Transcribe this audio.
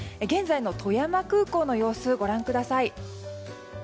現在の富山空港の様子ご覧ください。